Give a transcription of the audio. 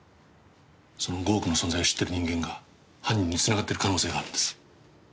その５億の存在を知ってる人間が犯人につながってる可能性があるんです。